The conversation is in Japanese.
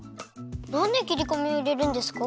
なんできりこみをいれるんですか？